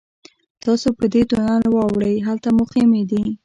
تاسو په دې تونل ورواوړئ هلته مو خیمې دي.